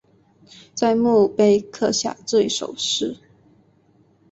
在墓碑刻下这一首诗